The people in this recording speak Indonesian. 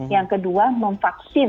yang kedua memvaksin